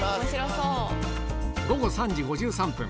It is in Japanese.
午後３時５３分